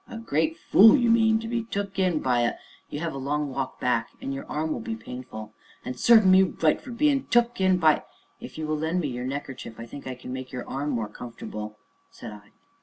"A great fool, you mean, to be took in by a " "You have a long walk back, and your arm will be painful " "And serve me right for bein' took in by " "If you will lend me your neckerchief, I think I can make your arm more comfortable," said I.